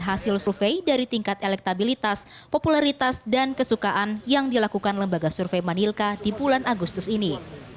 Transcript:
hasil survei manilka di bulan agustus ini